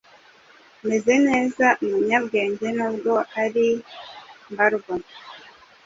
Meze neza umunyabwengenubwo ari mbarwa